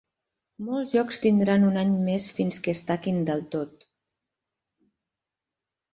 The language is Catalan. Molts jocs tindran un any més fins que es taquin del tot.